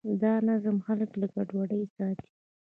دا نظم خلک له ګډوډۍ ساتي.